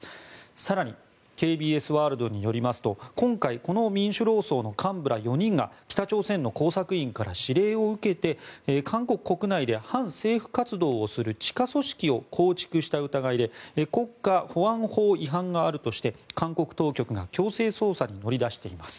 更に、ＫＢＳワールドによりますと今回この民主労総の幹部ら４人が北朝鮮の工作員から指令を受けて韓国国内で反政府活動をする地下組織を構築した疑いで国家保安法違反があるとして韓国当局が強制捜査に乗り出しています。